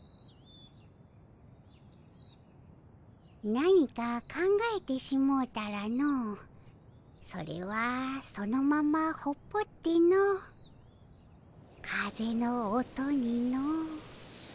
何か考えてしもうたらのそれはそのままほっぽっての風の音にの。